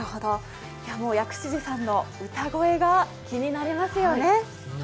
薬師寺さんの歌声が気になりますよね。